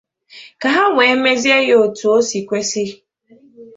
ka ha wee mezie ya etu o siri kwesi